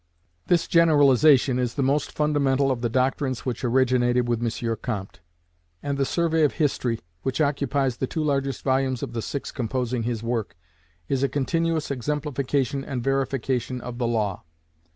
This generalization is the most fundamental of the doctrines which originated with M. Comte; and the survey of history, which occupies the two largest volumes of the six composing his work, is a continuous exemplification and verification of the law.